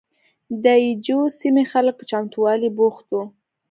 د اي جو سیمې خلک په چمتوالي بوخت وو.